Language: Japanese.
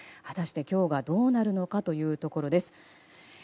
果たして今日はどうなるのかというところです。